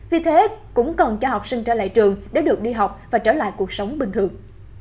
vì thế cũng cần cho học sinh trở lại trường để được đi học và trở lại cuộc sống bình thường